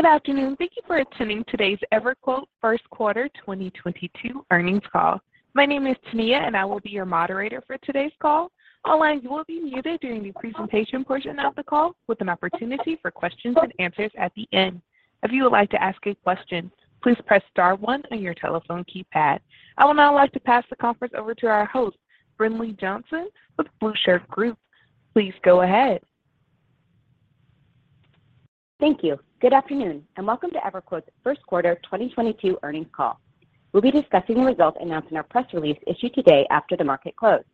Good afternoon. Thank you for attending today's EverQuote first quarter 2022 earnings call. My name is Tania, and I will be your moderator for today's call. All lines will be muted during the presentation portion of the call, with an opportunity for questions and answers at the end. If you would like to ask a question, please press star one on your telephone keypad. I would now like to pass the conference over to our host, Brinlea Johnson with Blueshirt Group. Please go ahead. Thank you. Good afternoon, and welcome to EverQuote's first quarter 2022 earnings call. We'll be discussing the results announced in our press release issued today after the market closed.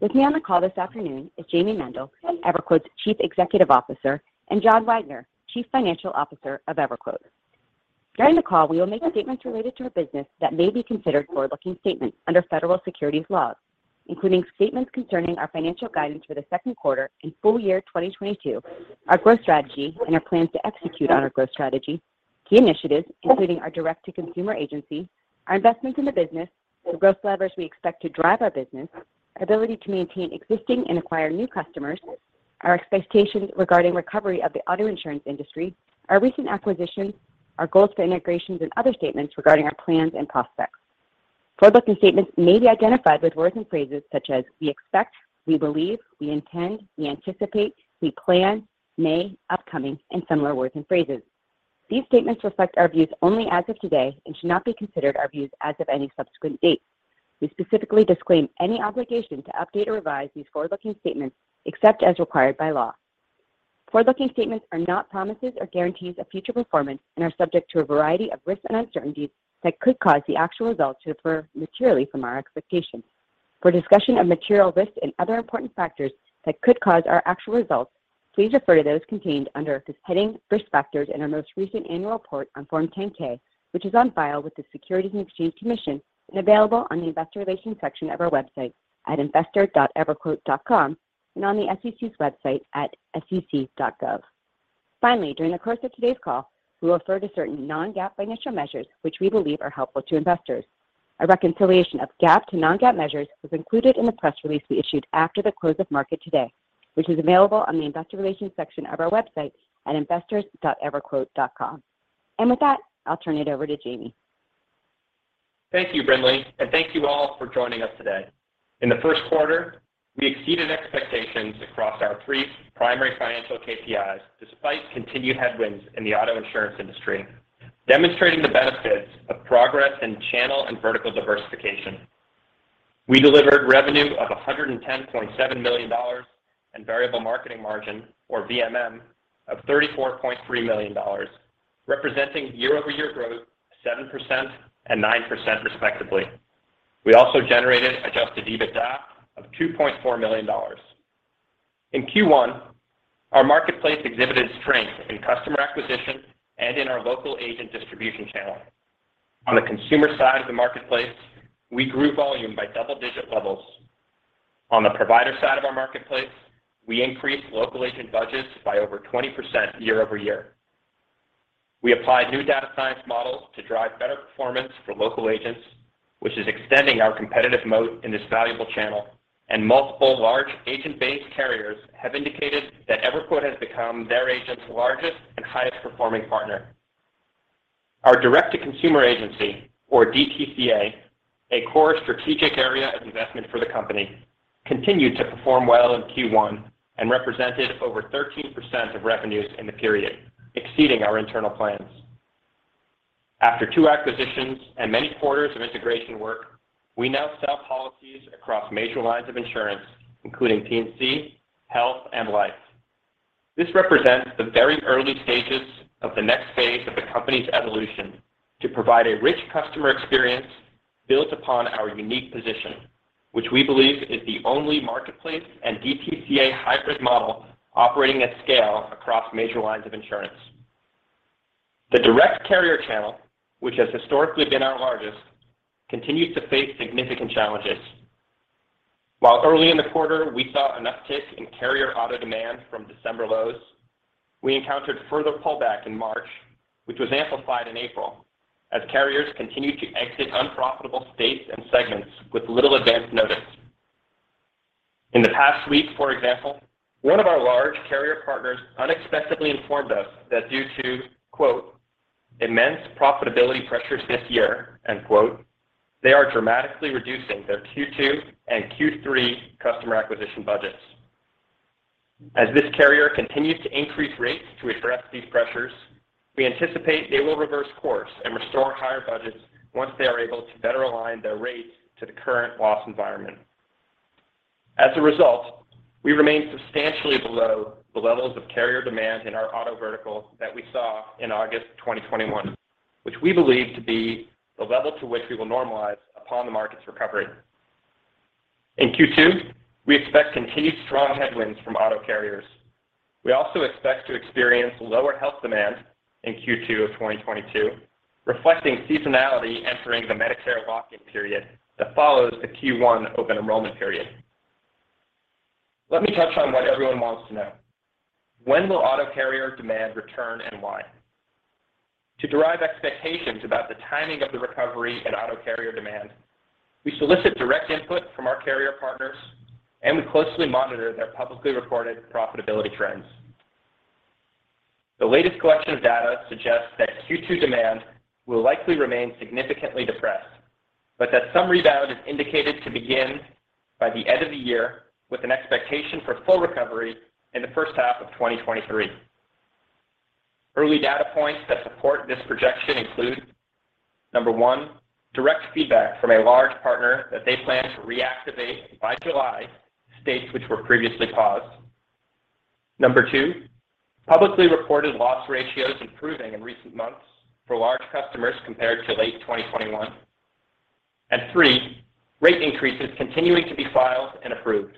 With me on the call this afternoon is Jayme Mendal, EverQuote's Chief Executive Officer, and John Wagner, Chief Financial Officer of EverQuote. During the call, we will make statements related to our business that may be considered forward-looking statements under federal securities laws, including statements concerning our financial guidance for the second quarter and full year 2022, our growth strategy and our plans to execute on our growth strategy, key initiatives, including our direct-to-consumer agency, our investments in the business, the growth levers we expect to drive our business, our ability to maintain existing and acquire new customers, our expectations regarding recovery of the auto insurance industry, our recent acquisitions, our goals for integrations and other statements regarding our plans and prospects. Forward-looking statements may be identified with words and phrases such as "we expect," "we believe," "we intend," "we anticipate," "we plan," "may," "upcoming," and similar words and phrases. These statements reflect our views only as of today and should not be considered our views as of any subsequent date. We specifically disclaim any obligation to update or revise these forward-looking statements except as required by law. Forward-looking statements are not promises or guarantees of future performance and are subject to a variety of risks and uncertainties that could cause the actual results to differ materially from our expectations. For a discussion of material risks and other important factors that could cause our actual results, please refer to those contained under the heading Risk Factors in our most recent annual report on Form 10-K, which is on file with the Securities and Exchange Commission and available on the investor relations section of our website at investor.everquote.com and on the SEC's website at sec.gov. Finally, during the course of today's call, we will refer to certain non-GAAP financial measures, which we believe are helpful to investors. A reconciliation of GAAP to non-GAAP measures was included in the press release we issued after the close of market today, which is available on the investor relations section of our website at investor.everquote.com. With that, I'll turn it over to Jayme. Thank you, Brinlea, and thank you all for joining us today. In the first quarter, we exceeded expectations across our three primary financial KPIs despite continued headwinds in the auto insurance industry, demonstrating the benefits of progress in channel and vertical diversification. We delivered revenue of $110.7 million and variable marketing margin or VMM of $34.3 million, representing year-over-year growth of 7% and 9% respectively. We also generated adjusted EBITDA of $2.4 million. In Q1, our marketplace exhibited strength in customer acquisition and in our local agent distribution channel. On the consumer side of the marketplace, we grew volume by double-digit levels. On the provider side of our marketplace, we increased local agent budgets by over 20% year-over-year. We applied new data science models to drive better performance for local agents, which is extending our competitive moat in this valuable channel, and multiple large agent-based carriers have indicated that EverQuote has become their agent's largest and highest performing partner. Our direct-to-consumer agency or DTCA, a core strategic area of investment for the company, continued to perform well in Q1 and represented over 13% of revenues in the period, exceeding our internal plans. After 2 acquisitions and many quarters of integration work, we now sell policies across major lines of insurance, including P&C, health, and life. This represents the very early stages of the next phase of the company's evolution to provide a rich customer experience built upon our unique position, which we believe is the only marketplace and DTCA hybrid model operating at scale across major lines of insurance. The direct carrier channel, which has historically been our largest, continues to face significant challenges. While early in the quarter we saw an uptick in carrier auto demand from December lows, we encountered further pullback in March, which was amplified in April as carriers continued to exit unprofitable states and segments with little advance notice. In the past week, for example, one of our large carrier partners unexpectedly informed us that due to quote, "immense profitability pressures this year," end quote, they are dramatically reducing their Q2 and Q3 customer acquisition budgets. As this carrier continues to increase rates to address these pressures, we anticipate they will reverse course and restore higher budgets once they are able to better align their rates to the current loss environment. As a result, we remain substantially below the levels of carrier demand in our auto vertical that we saw in August 2021, which we believe to be the level to which we will normalize upon the market's recovery. In Q2, we expect continued strong headwinds from auto carriers. We also expect to experience lower health demand in Q2 of 2022, reflecting seasonality entering the Medicare lock-in period that follows the Q1 open enrollment period. Let me touch on what everyone wants to know. When will auto carrier demand return and why? To derive expectations about the timing of the recovery in auto carrier demand, we solicit direct input from our carrier partners, and we closely monitor their publicly reported profitability trends. The latest collection of data suggests that Q2 demand will likely remain significantly depressed, but that some rebound is indicated to begin by the end of the year with an expectation for full recovery in the first half of 2023. Early data points that support this projection include number one, direct feedback from a large partner that they plan to reactivate by July states which were previously paused. Number two, publicly reported loss ratios improving in recent months for large customers compared to late 2021. Three, rate increases continuing to be filed and approved.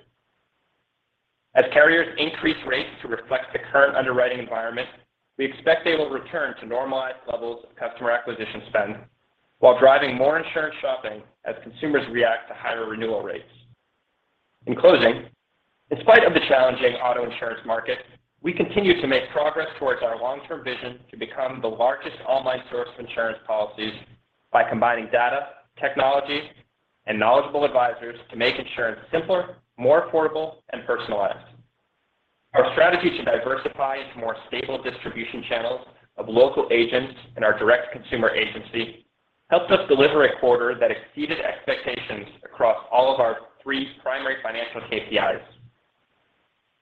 As carriers increase rates to reflect the current underwriting environment, we expect they will return to normalized levels of customer acquisition spend while driving more insurance shopping as consumers react to higher renewal rates. In closing, in spite of the challenging auto insurance market, we continue to make progress towards our long-term vision to become the largest online source of insurance policies by combining data, technology, and knowledgeable advisors to make insurance simpler, more affordable, and personalized. Our strategy to diversify into more stable distribution channels of local agents and our direct consumer agency helps us deliver a quarter that exceeded expectations across all of our three primary financial KPIs.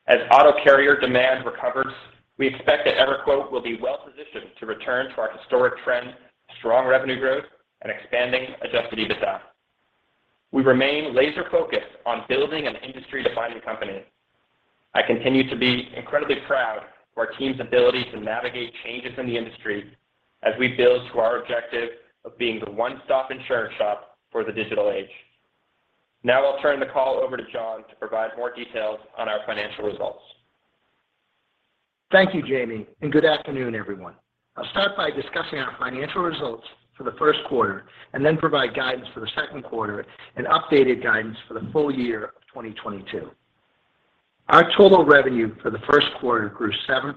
As auto carrier demand recovers, we expect that EverQuote will be well-positioned to return to our historic trend of strong revenue growth and expanding adjusted EBITDA. We remain laser-focused on building an industry-defining company. I continue to be incredibly proud of our team's ability to navigate changes in the industry as we build to our objective of being the one-stop insurance shop for the digital age. Now I'll turn the call over to John to provide more details on our financial results. Thank you, Jayme, and good afternoon, everyone. I'll start by discussing our financial results for the first quarter and then provide guidance for the second quarter and updated guidance for the full year of 2022. Our total revenue for the first quarter grew 7%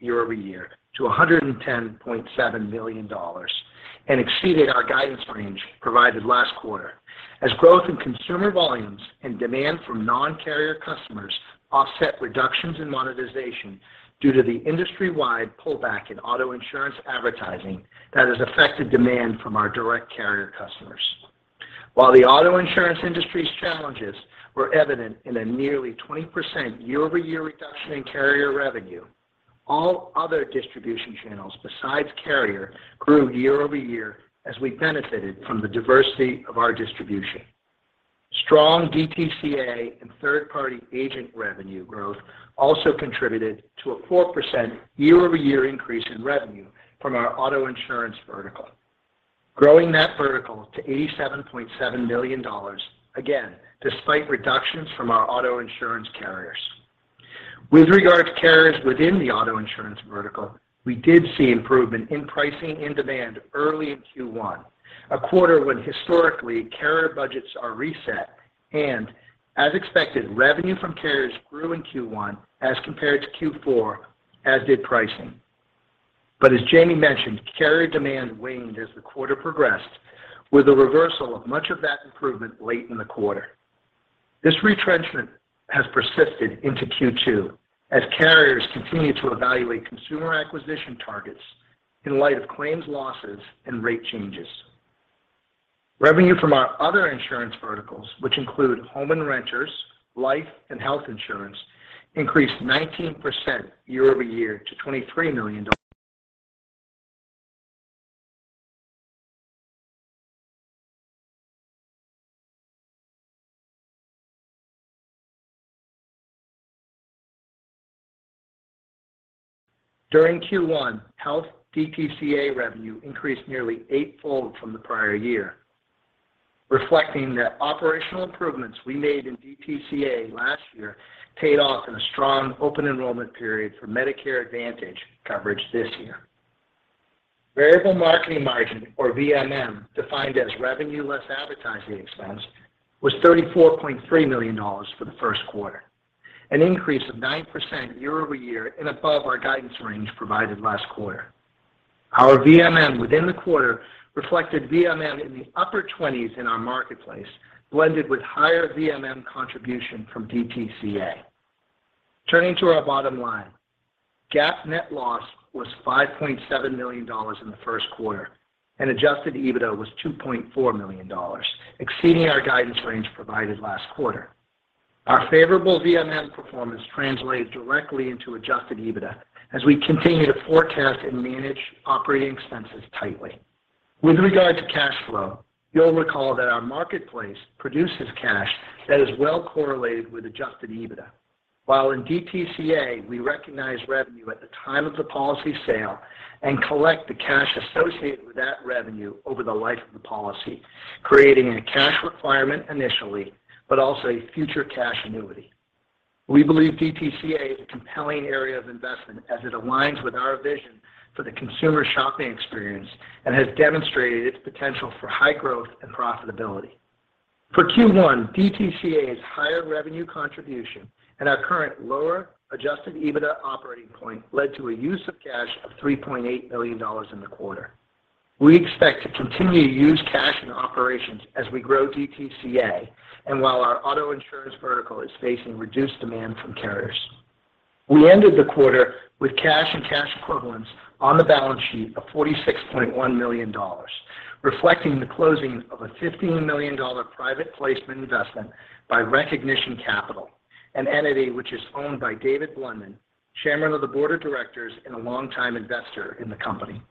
year-over-year to $110.7 million and exceeded our guidance range provided last quarter as growth in consumer volumes and demand from non-carrier customers offset reductions in monetization due to the industry-wide pullback in auto insurance advertising that has affected demand from our direct carrier customers. While the auto insurance industry's challenges were evident in a nearly 20% year-over-year reduction in carrier revenue, all other distribution channels besides carrier grew year-over-year as we benefited from the diversity of our distribution. Strong DTCA and third-party agent revenue growth also contributed to a 12% year-over-year increase in revenue from our auto insurance vertical, growing that vertical to $87.7 million, again, despite reductions from our auto insurance carriers. With regard to carriers within the auto insurance vertical, we did see improvement in pricing and demand early in Q1, a quarter when historically carrier budgets are reset. As expected, revenue from carriers grew in Q1 as compared to Q4, as did pricing. As Jayme mentioned, carrier demand waned as the quarter progressed with a reversal of much of that improvement late in the quarter. This retrenchment has persisted into Q2 as carriers continue to evaluate consumer acquisition targets in light of claims losses and rate changes. Revenue from our other insurance verticals, which include home and renters, life and health insurance, increased 19% year-over-year to $23 million. During Q1, health DTCA revenue increased nearly eightfold from the prior year, reflecting that operational improvements we made in DTCA last year paid off in a strong open enrollment period for Medicare Advantage coverage this year. Variable marketing margin or VMM, defined as revenue less advertising expense, was $34.3 million for the first quarter, an increase of 9% year-over-year and above our guidance range provided last quarter. Our VMM within the quarter reflected VMM in the upper twenties in our marketplace, blended with higher VMM contribution from DTCA. Turning to our bottom line, GAAP net loss was $5.7 million in the first quarter, and adjusted EBITDA was $2.4 million, exceeding our guidance range provided last quarter. Our favorable VMM performance translated directly into adjusted EBITDA as we continue to forecast and manage operating expenses tightly. With regard to cash flow, you'll recall that our marketplace produces cash that is well correlated with adjusted EBITDA. While in DTCA, we recognize revenue at the time of the policy sale and collect the cash associated with that revenue over the life of the policy, creating a cash requirement initially, but also a future cash annuity. We believe DTCA is a compelling area of investment as it aligns with our vision for the consumer shopping experience and has demonstrated its potential for high growth and profitability. For Q1, DTCA's higher revenue contribution and our current lower adjusted EBITDA operating point led to a use of cash of $3.8 million in the quarter. We expect to continue to use cash in operations as we grow DTCA and while our auto insurance vertical is facing reduced demand from carriers. We ended the quarter with cash and cash equivalents on the balance sheet of $46.1 million, reflecting the closing of a $15 million private placement investment by Recognize, an entity which is owned by David Blundin, chairman of the board of directors and a longtime investor in the company.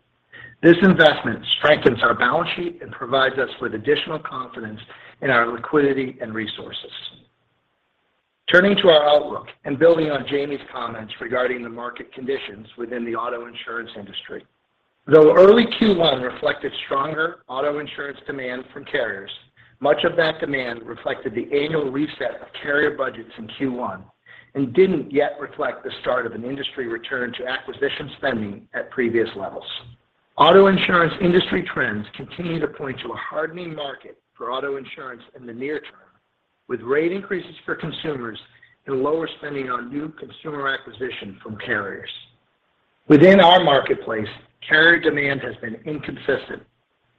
This investment strengthens our balance sheet and provides us with additional confidence in our liquidity and resources. Turning to our outlook and building on Jayme's comments regarding the market conditions within the auto insurance industry. Though early Q1 reflected stronger auto insurance demand from carriers, much of that demand reflected the annual reset of carrier budgets in Q1 and didn't yet reflect the start of an industry return to acquisition spending at previous levels. Auto insurance industry trends continue to point to a hardening market for auto insurance in the near term, with rate increases for consumers and lower spending on new consumer acquisition from carriers. Within our marketplace, carrier demand has been inconsistent,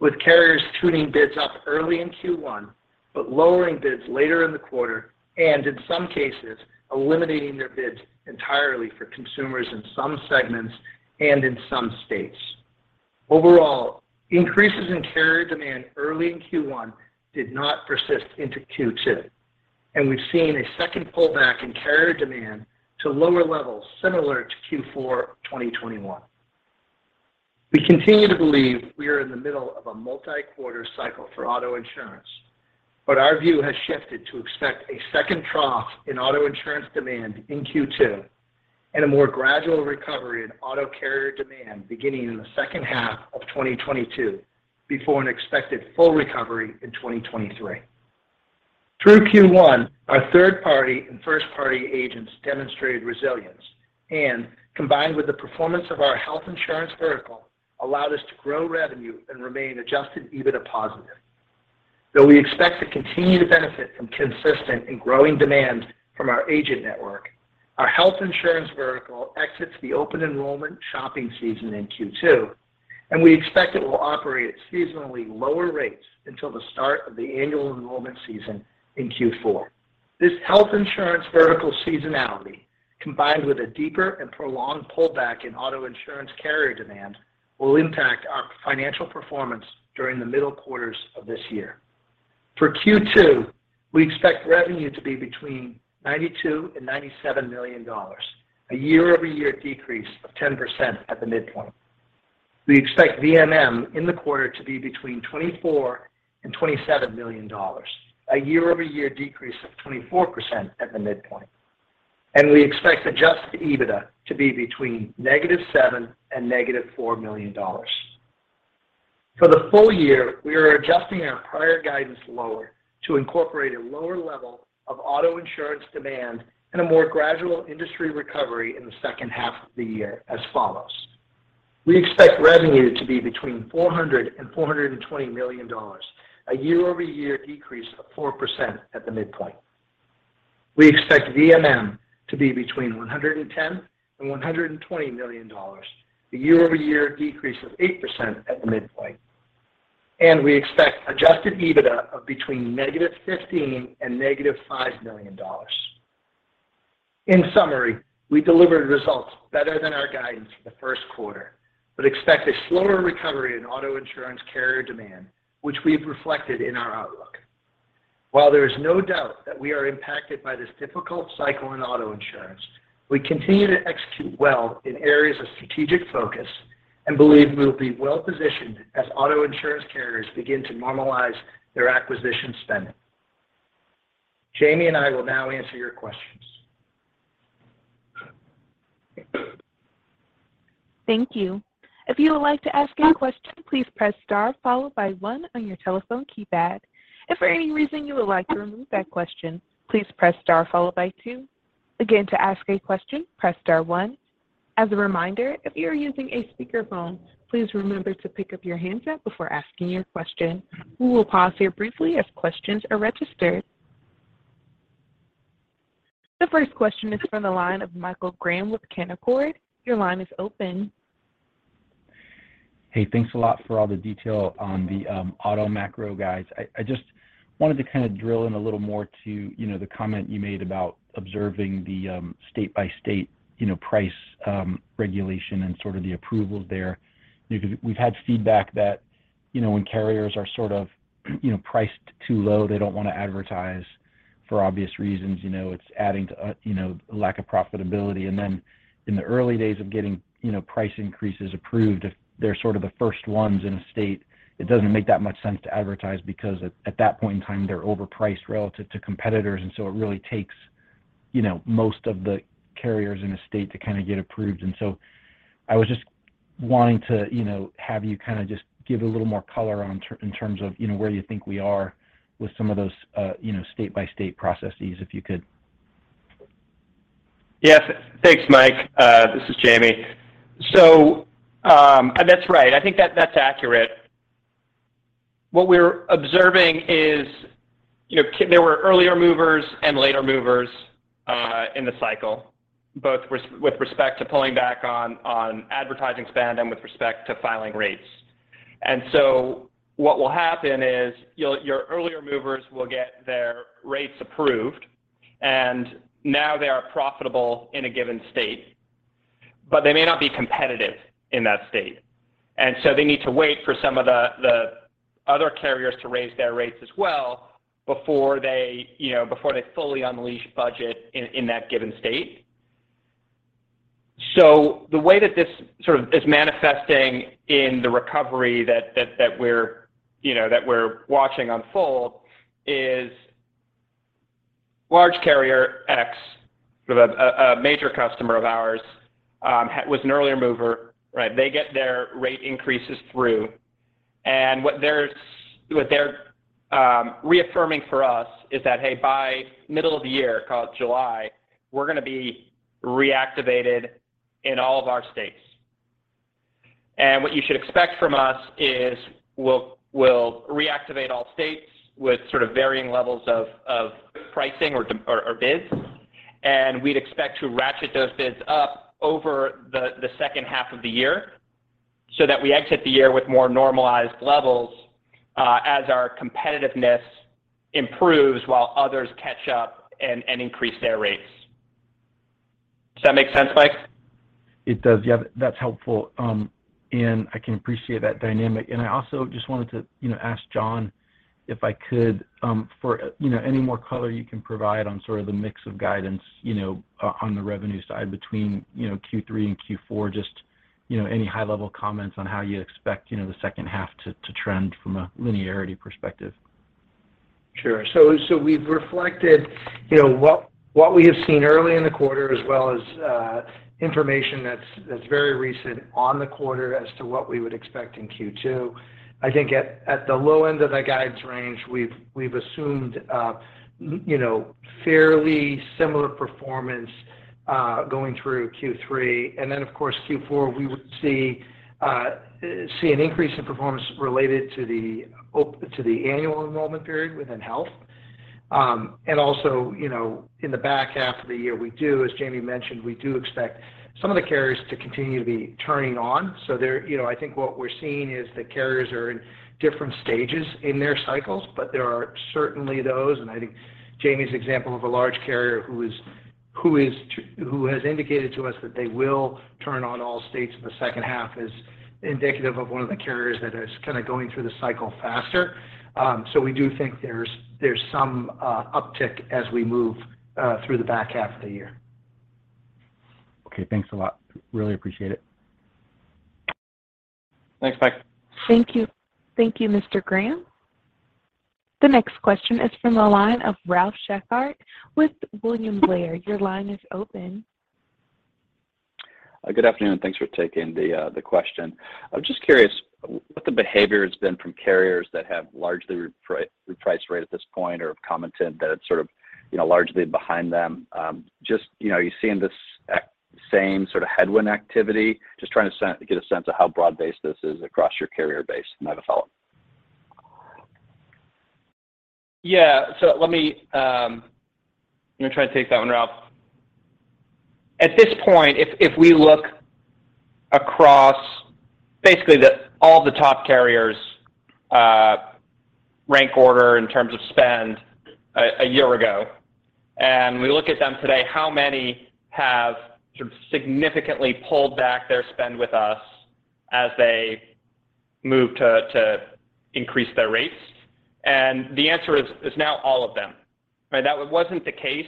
with carriers tuning bids up early in Q1 but lowering bids later in the quarter and, in some cases, eliminating their bids entirely for consumers in some segments and in some states. Overall, increases in carrier demand early in Q1 did not persist into Q2, and we've seen a second pullback in carrier demand to lower levels similar to Q4 2021. We continue to believe we are in the middle of a multi-quarter cycle for auto insurance, but our view has shifted to expect a second trough in auto insurance demand in Q2 and a more gradual recovery in auto carrier demand beginning in the second half of 2022 before an expected full recovery in 2023. Through Q1, our third-party and first-party agents demonstrated resilience and, combined with the performance of our health insurance vertical, allowed us to grow revenue and remain adjusted EBITDA positive. Though we expect to continue to benefit from consistent and growing demand from our agent network, our health insurance vertical exits the open enrollment shopping season in Q2, and we expect it will operate at seasonally lower rates until the start of the annual enrollment season in Q4. This health insurance vertical seasonality, combined with a deeper and prolonged pullback in auto insurance carrier demand, will impact our financial performance during the middle quarters of this year. For Q2, we expect revenue to be between $92 and $97 million, a year-over-year decrease of 10% at the midpoint. We expect VMM in the quarter to be between $24 and $27 million, a year-over-year decrease of 24% at the midpoint. We expect adjusted EBITDA to be between -$7 and -$4 million. For the full year, we are adjusting our prior guidance lower to incorporate a lower level of auto insurance demand and a more gradual industry recovery in the second half of the year as follows. We expect revenue to be between $400 and $420 million, a year-over-year decrease of 4% at the midpoint. We expect VMM to be between $110 million and $120 million, a year-over-year decrease of 8% at the midpoint. We expect adjusted EBITDA of between -$15 million and -$5 million. In summary, we delivered results better than our guidance for the first quarter, but expect a slower recovery in auto insurance carrier demand, which we've reflected in our outlook. While there is no doubt that we are impacted by this difficult cycle in auto insurance, we continue to execute well in areas of strategic focus and believe we will be well-positioned as auto insurance carriers begin to normalize their acquisition spending. Jayme and I will now answer your questions. Thank you. If you would like to ask a question, please press star followed by one on your telephone keypad. If for any reason you would like to remove that question, please press star followed by two. Again, to ask a question, press star one. As a reminder, if you are using a speakerphone, please remember to pick up your handset before asking your question. We will pause here briefly if questions are registered. The first question is from the line of Michael Graham with Canaccord. Your line is open. Hey, thanks a lot for all the detail on the auto macro guides. I just wanted to kind of drill in a little more to you know the comment you made about observing the state-by-state you know price regulation and sort of the approvals there. You know, 'cause we've had feedback that you know when carriers are sort of you know priced too low, they don't want to advertise for obvious reasons. You know, it's adding to you know a lack of profitability. Then in the early days of getting you know price increases approved, if they're sort of the first ones in a state, it doesn't make that much sense to advertise because at that point in time, they're overpriced relative to competitors. It really takes you know most of the carriers in a state to kind of get approved. I was just wanting to, you know, have you kind of just give a little more color on their end in terms of, you know, where you think we are with some of those, state-by-state processes, if you could. Yes. Thanks, Mike. This is Jayme. That's right. I think that's accurate. What we're observing is, you know, there were earlier movers and later movers in the cycle both with respect to pulling back on advertising spend and with respect to filing rates. What will happen is your earlier movers will get their rates approved, and now they are profitable in a given state, but they may not be competitive in that state. They need to wait for some of the other carriers to raise their rates as well before they, you know, before they fully unleash budget in that given state. The way that this sort of is manifesting in the recovery that we're, you know, that we're watching unfold is large carrier X with a major customer of ours was an earlier mover, right? They get their rate increases through, and what they're reaffirming for us is that, "Hey, by middle of the year, call it July, we're gonna be reactivated in all of our states. And what you should expect from us is we'll reactivate all states with sort of varying levels of pricing or bids, and we'd expect to ratchet those bids up over the second half of the year so that we exit the year with more normalized levels, as our competitiveness improves while others catch up and increase their rates." Does that make sense, Mike? It does. Yeah, that's helpful, and I can appreciate that dynamic. I also just wanted to, you know, ask John, if I could, for, you know, any more color you can provide on sort of the mix of guidance, you know, on the revenue side between, you know, Q3 and Q4, just, you know, any high-level comments on how you expect, you know, the second half to trend from a linearity perspective. Sure. We've reflected, you know, what we have seen early in the quarter as well as information that's very recent on the quarter as to what we would expect in Q2. I think at the low end of the guidance range, we've assumed you know, fairly similar performance going through Q3. Then, of course, Q4, we would see an increase in performance related to the annual enrollment period within health. Also, you know, in the back half of the year, we do, as Jayme mentioned, we do expect some of the carriers to continue to be turning on. You know, I think what we're seeing is that carriers are in different stages in their cycles, but there are certainly those, and I think Jayme's example of a large carrier who has indicated to us that they will turn on all states in the second half is indicative of one of the carriers that is kinda going through the cycle faster. We do think there's some uptick as we move through the back half of the year. Okay, thanks a lot. Really appreciate it. Thanks, Mike. Thank you. Thank you, Mr. Graham. The next question is from the line of Ralph Schackart with William Blair. Your line is open. Good afternoon. Thanks for taking the question. I was just curious what the behavior has been from carriers that have largely repriced rate at this point or have commented that it's sort of, you know, largely behind them. Just, you know, are you seeing this same sort of headwind activity? Just trying to get a sense of how broad-based this is across your carrier base. I have a follow-up. Yeah. Let me try to take that one, Ralph. At this point, if we look across basically all the top carriers' rank order in terms of spend a year ago, and we look at them today, how many have sort of significantly pulled back their spend with us as they move to increase their rates? The answer is now all of them. Right? That wasn't the case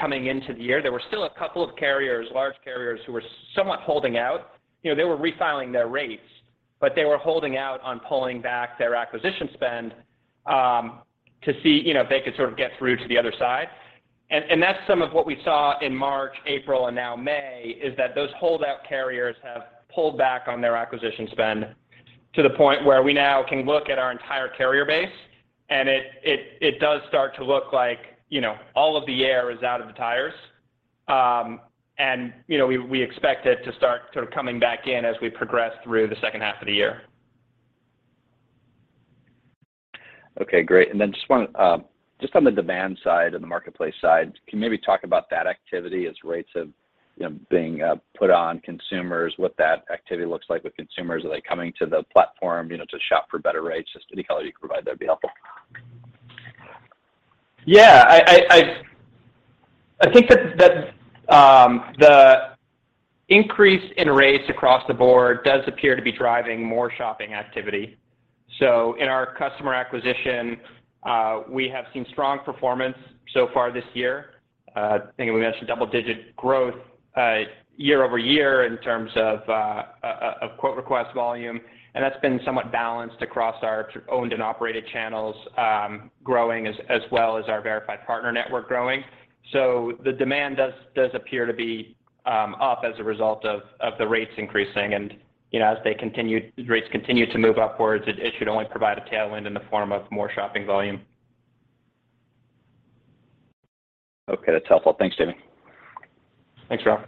coming into the year. There were still a couple of carriers, large carriers, who were somewhat holding out. You know, they were refiling their rates, but they were holding out on pulling back their acquisition spend to see, you know, if they could sort of get through to the other side. That's some of what we saw in March, April, and now May, is that those holdout carriers have pulled back on their acquisition spend to the point where we now can look at our entire carrier base, and it does start to look like, you know, all of the air is out of the tires. You know, we expect it to start sort of coming back in as we progress through the second half of the year. Okay, great. Just one, just on the demand side and the marketplace side, can you maybe talk about that activity as rates have, you know, being put on consumers, what that activity looks like with consumers? Are they coming to the platform, you know, to shop for better rates? Just any color you can provide there would be helpful. I think that the increase in rates across the board does appear to be driving more shopping activity. In our customer acquisition, we have seen strong performance so far this year. I think we mentioned double-digit growth year-over-year in terms of quote request volume, and that's been somewhat balanced across our sort of owned and operated channels, growing as well as our verified partner network growing. The demand does appear to be up as a result of the rates increasing. You know, as they continue, the rates continue to move upwards, it should only provide a tailwind in the form of more shopping volume. Okay. That's helpful. Thanks, Jayme. Thanks, Ralph.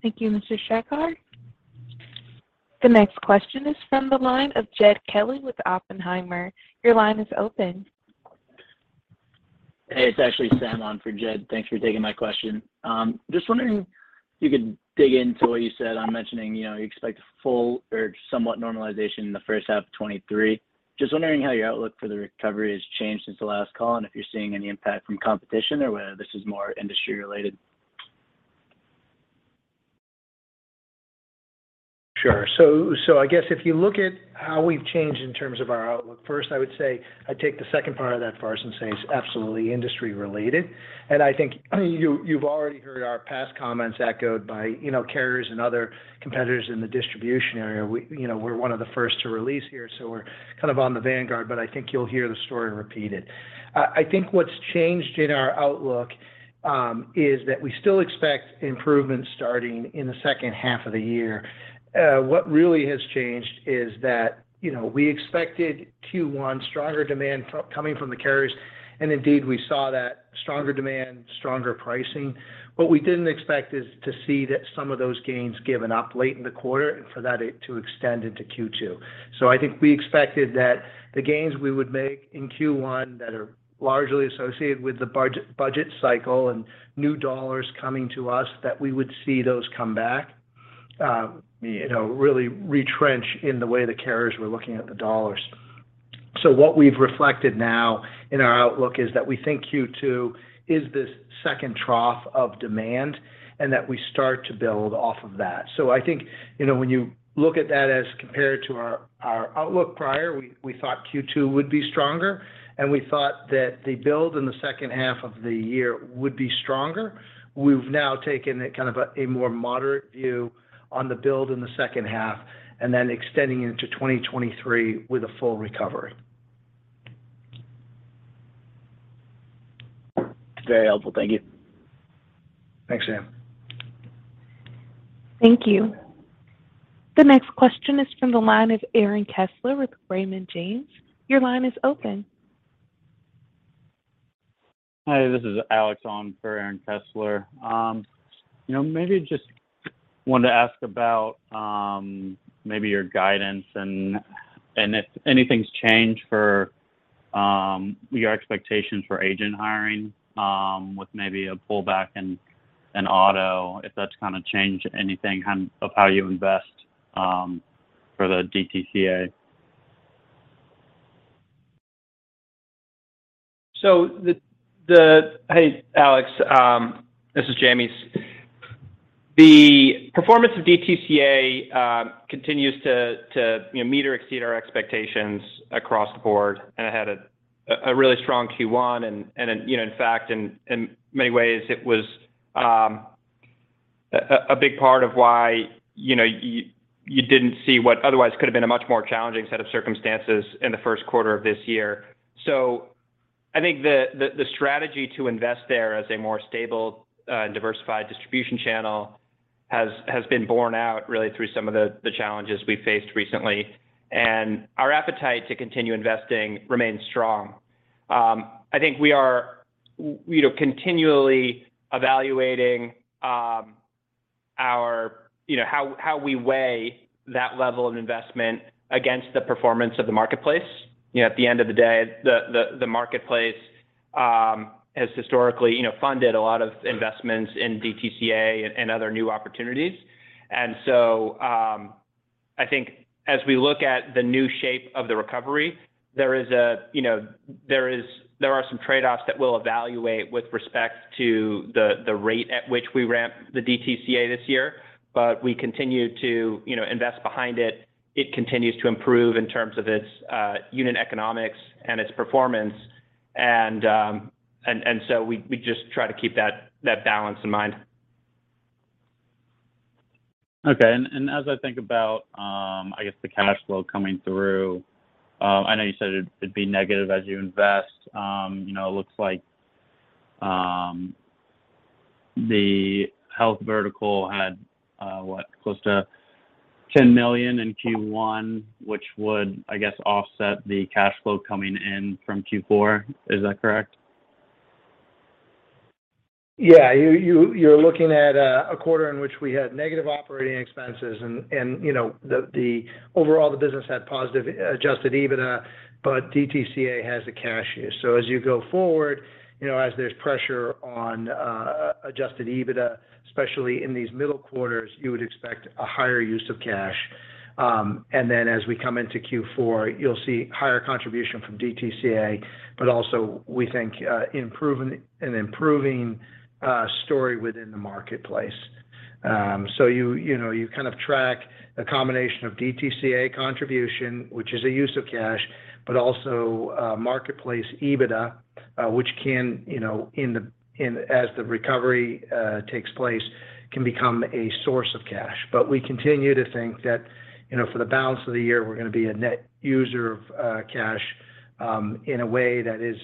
Thank you, Mr. Schackart. The next question is from the line of Jed Kelly with Oppenheimer. Your line is open. Hey, it's actually Sam on for Jed. Thanks for taking my question. Just wondering if you could dig into what you said on mentioning, you know, you expect a full or somewhat normalization in the first half of 2023. Just wondering how your outlook for the recovery has changed since the last call, and if you're seeing any impact from competition or whether this is more industry-related. Sure. So I guess if you look at how we've changed in terms of our outlook, first, I would say I'd take the second part of that first and say it's absolutely industry-related. I think you've already heard our past comments echoed by, you know, carriers and other competitors in the distribution area. We, you know, we're one of the first to release here, so we're kind of on the vanguard, but I think you'll hear the story repeated. I think what's changed in our outlook is that we still expect improvements starting in the second half of the year. What really has changed is that, you know, we expected Q1 stronger demand coming from the carriers, and indeed, we saw that stronger demand, stronger pricing. What we didn't expect is to see that some of those gains given up late in the quarter and for that to extend into Q2. I think we expected that the gains we would make in Q1 that are largely associated with the budget cycle and new dollars coming to us, that we would see those come back, you know, really retrench in the way the carriers were looking at the dollars. What we've reflected now in our outlook is that we think Q2 is this second trough of demand and that we start to build off of that. I think, you know, when you look at that as compared to our outlook prior, we thought Q2 would be stronger, and we thought that the build in the second half of the year would be stronger. We've now taken kind of a more moderate view on the build in the second half, and then extending into 2023 with a full recovery. Very helpful. Thank you. Thanks, Sam. Thank you. The next question is from the line of Aaron Kessler with Raymond James. Your line is open. Hi, this is Alex on for Aaron Kessler. You know, maybe just wanted to ask about maybe your guidance and if anything's changed for your expectations for agent hiring with maybe a pullback in auto, if that's kinda changed anything kind of how you invest for the DTCA. Hey, Alex, this is Jayme. The performance of DTCA continues to, you know, meet or exceed our expectations across the board. It had a really strong Q1 and, you know, in many ways it was a big part of why, you know, you didn't see what otherwise could have been a much more challenging set of circumstances in the first quarter of this year. I think the strategy to invest there as a more stable and diversified distribution channel has been borne out really through some of the challenges we faced recently. Our appetite to continue investing remains strong. I think we are, you know, continually evaluating our, you know, how we weigh that level of investment against the performance of the marketplace. You know, at the end of the day, the marketplace has historically, you know, funded a lot of investments in DTCA and other new opportunities. I think as we look at the new shape of the recovery, there are some trade-offs that we'll evaluate with respect to the rate at which we ramp the DTCA this year. We continue to, you know, invest behind it. It continues to improve in terms of its unit economics and its performance. We just try to keep that balance in mind. Okay. As I think about, I guess the cash flow coming through, I know you said it'd be negative as you invest. You know, it looks like the health vertical had, what? Close to $10 million in Q1, which would, I guess, offset the cash flow coming in from Q4. Is that correct? Yeah. You're looking at a quarter in which we had negative operating expenses and, you know, overall, the business had positive adjusted EBITDA, but DTCA has a cash use. As you go forward, you know, as there's pressure on adjusted EBITDA, especially in these middle quarters, you would expect a higher use of cash. As we come into Q4, you'll see higher contribution from DTCA, but also we think an improving story within the marketplace. You know, you kind of track a combination of DTCA contribution, which is a use of cash, but also marketplace EBITDA, which can, you know, in as the recovery takes place, can become a source of cash. We continue to think that, you know, for the balance of the year, we're gonna be a net user of cash, in a way that is,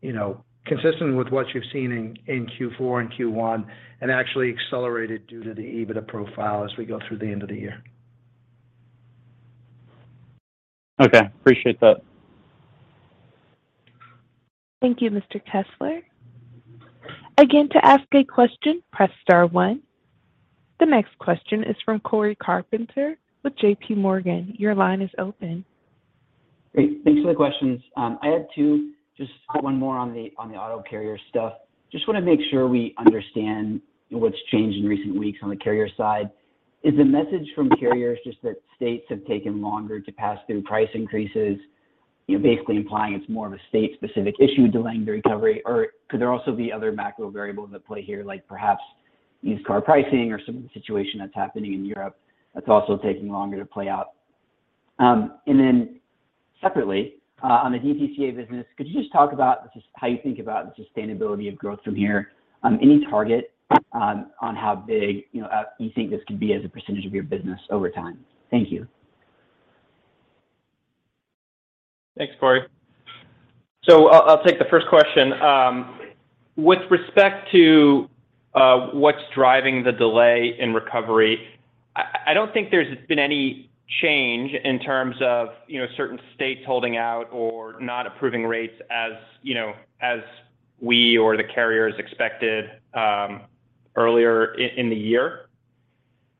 you know, consistent with what you've seen in Q4 and Q1, and actually accelerated due to the EBITDA profile as we go through the end of the year. Okay. Appreciate that. Thank you, Mr. Kessler. Again, to ask a question, press star one. The next question is from Cory Carpenter with J.P. Morgan. Your line is open. Great. Thanks for the questions. I had two. Just one more on the auto carrier stuff. Just wanna make sure we understand what's changed in recent weeks on the carrier side. Is the message from carriers just that states have taken longer to pass through price increases, you know, basically implying it's more of a state-specific issue delaying the recovery, or could there also be other macro variables at play here, like perhaps used car pricing or some of the situation that's happening in Europe that's also taking longer to play out? Separately, on the DTCA business, could you just talk about just how you think about the sustainability of growth from here, any target on how big, you know, you think this could be as a percentage of your business over time? Thank you. Thanks, Cory. I'll take the first question. With respect to what's driving the delay in recovery, I don't think there's been any change in terms of, you know, certain states holding out or not approving rates as, you know, as we or the carriers expected, earlier in the year.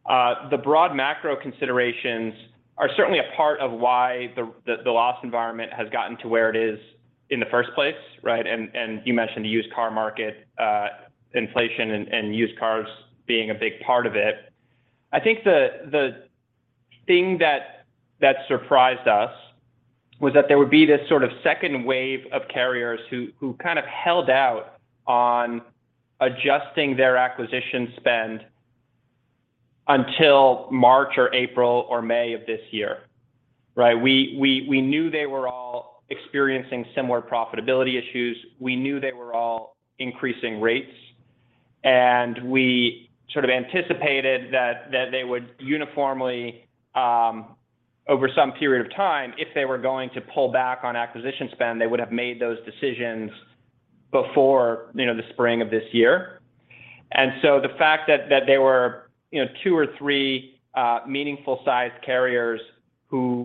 The broad macro considerations are certainly a part of why the loss environment has gotten to where it is in the first place, right? You mentioned the used car market, inflation and used cars being a big part of it. I think the thing that surprised us was that there would be this sort of second wave of carriers who kind of held out on adjusting their acquisition spend until March or April or May of this year, right? We knew they were all experiencing similar profitability issues. We knew they were all increasing rates. We sort of anticipated that they would uniformly over some period of time, if they were going to pull back on acquisition spend, they would have made those decisions before, you know, the spring of this year. The fact that there were, you know, two or three meaningful sized carriers who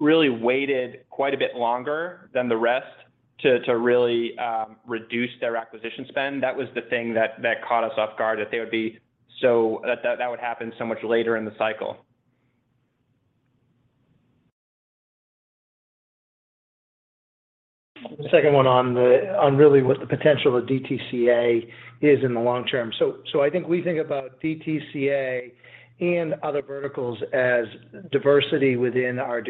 really waited quite a bit longer than the rest to really reduce their acquisition spend, that was the thing that caught us off guard, that that would happen so much later in the cycle. The second one on really what the potential of DTCA is in the long term. I think we think about DTCA and other verticals as diversity within our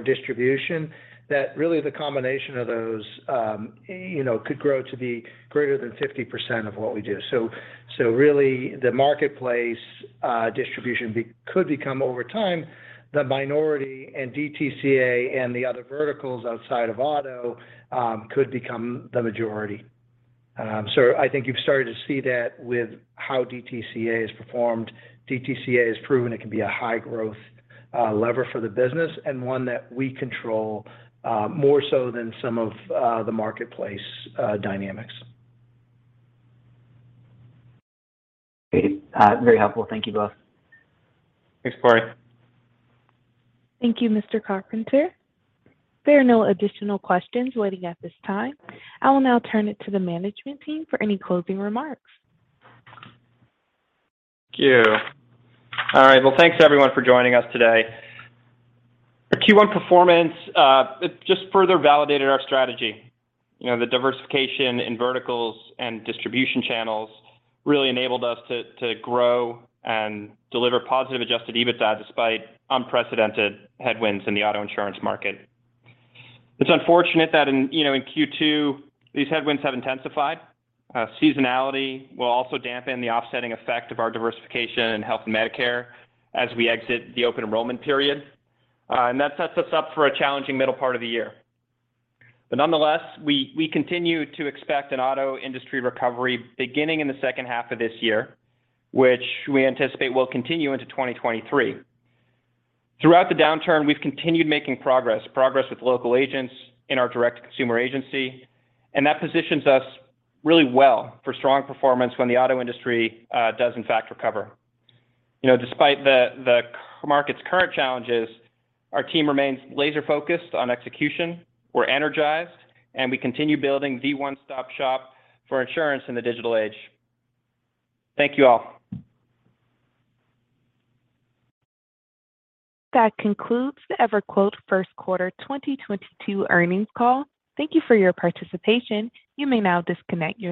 distribution, that really the combination of those could grow to be greater than 50% of what we do. Really the marketplace distribution could become over time, the minority and DTCA and the other verticals outside of auto could become the majority. I think you've started to see that with how DTCA has performed. DTCA has proven it can be a high growth lever for the business, and one that we control more so than some of the marketplace dynamics. Great. Very helpful. Thank you both. Thanks, Cory. Thank you, Mr. Carpenter. There are no additional questions waiting at this time. I will now turn it to the management team for any closing remarks. Thank you. All right. Well, thanks everyone for joining us today. Our Q1 performance, it just further validated our strategy. You know, the diversification in verticals and distribution channels really enabled us to grow and deliver positive adjusted EBITDA despite unprecedented headwinds in the auto insurance market. It's unfortunate that, you know, in Q2 these headwinds have intensified. Seasonality will also dampen the offsetting effect of our diversification in health and Medicare as we exit the open enrollment period. That sets us up for a challenging middle part of the year. Nonetheless, we continue to expect an auto industry recovery beginning in the second half of this year, which we anticipate will continue into 2023. Throughout the downturn, we've continued making progress with local agents in our direct consumer agency, and that positions us really well for strong performance when the auto industry does in fact recover. You know, despite the market's current challenges, our team remains laser-focused on execution. We're energized, and we continue building the one-stop shop for insurance in the digital age. Thank you all. That concludes the EverQuote first quarter 2022 earnings call. Thank you for your participation. You may now disconnect your line.